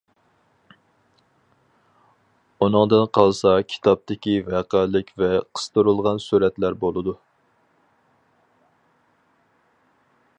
ئۇنىڭدىن قالسا كىتابتىكى ۋەقەلىك ۋە قىستۇرۇلغان سۈرەتلەر بولىدۇ.